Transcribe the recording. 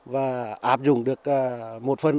và áp dụng được một phần